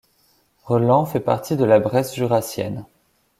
Relans fait partie de la Bresse jurassienne.